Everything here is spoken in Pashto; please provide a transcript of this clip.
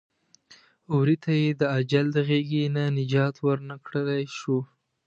وري ته یې د اجل د غېږې نه نجات ور نه کړلی شو.